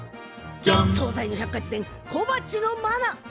そうざいの百科事典小鉢のマナ！